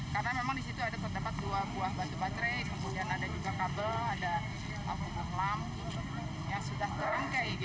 karena memang di situ terdapat dua buah batu baterai kemudian ada juga kabel ada lampu lampu yang sudah terangkai